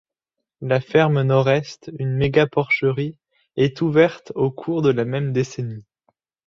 La ferme Nord-Est, une méga-porcherie, est ouverte au cours de la même décennie.